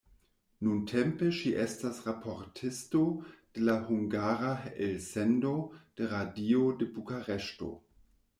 Nuntempe ŝi estas raportisto de la hungara elsendo de radio de Bukareŝto.